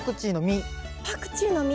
パクチーの実。